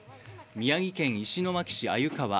宮城県石巻市鮎川